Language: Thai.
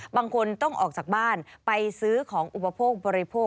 บางคนต้องออกจากบ้านไปซื้อของอุปโภคบริโภค